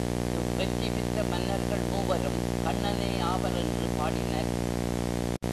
இவ்வெற்றி பெற்ற மன்னர்கள் மூவரும் கண்ணனே ஆவர் என்று பாடினர்.